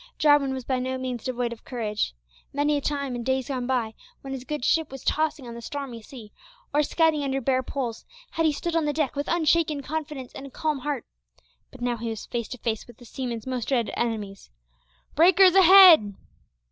Jarwin was by no means devoid of courage. Many a time, in days gone by, when his good ship was tossing on the stormy sea, or scudding under bare poles, had he stood on the deck with unshaken confidence and a calm heart, but now he was face to face with the seaman's most dreaded enemy "breakers ahead!"